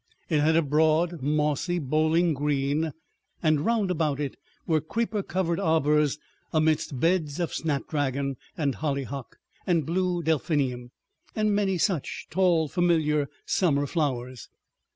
It had a broad mossy bowling green, and round about it were creeper covered arbors amidst beds of snap dragon, and hollyhock, and blue delphinium, and many such tall familiar summer flowers.